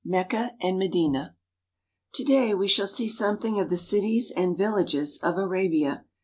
MECCA AND MEDINA TO DAY we shall see something of the cities and villages of Arabia.